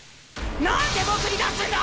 何で僕に出すんだ！